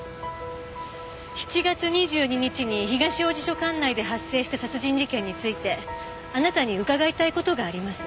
７月２２日に東王子署管内で発生した殺人事件についてあなたに伺いたい事があります。